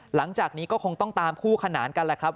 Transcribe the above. หลังจากนี้ก็คงต้องตามคู่ขนานกันแหละครับ